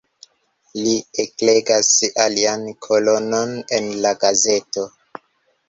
Li eklegas alian kolonon en la gazeto.